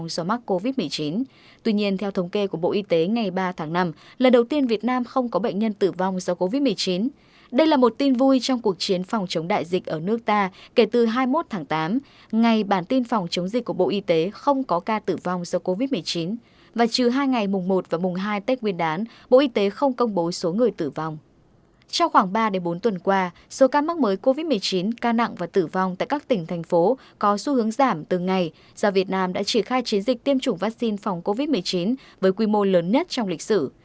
sau khoảng ba bốn tuần qua số ca mắc mới covid một mươi chín ca nặng và tử vong tại các tỉnh thành phố có xu hướng giảm từng ngày do việt nam đã triển khai chiến dịch tiêm chủng vaccine phòng covid một mươi chín với quy mô lớn nhất trong lịch sử